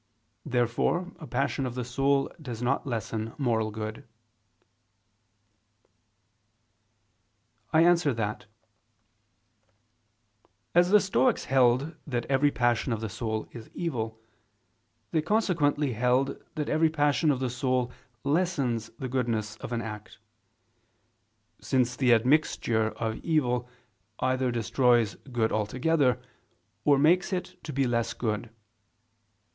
Therefore a passion of the soul does not lessen moral good. I answer that, As the Stoics held that every passion of the soul is evil, they consequently held that every passion of the soul lessens the goodness of an act; since the admixture of evil either destroys good altogether, or makes it to be less good.